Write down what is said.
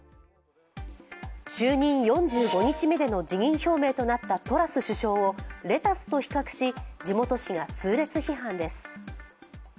就任４５日目での辞任表明となったトラス首相をレタスと比較し地元紙が痛烈批判です。